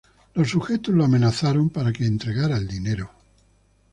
Los sujetos lo amenazaron para que entregara el dinero.